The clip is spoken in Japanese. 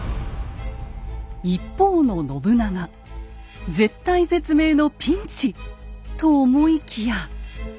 一方の信長絶体絶命のピンチ！と思いきや。